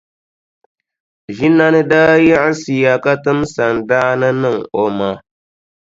Ʒinani daa yiɣisiya ka tim sandaani niŋ o ma.